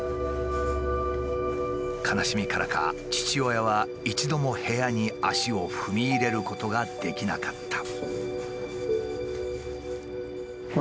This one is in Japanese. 悲しみからか父親は一度も部屋に足を踏み入れることができなかった。